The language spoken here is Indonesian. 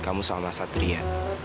kamu sama satria